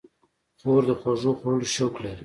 خور د خوږو خوړلو شوق لري.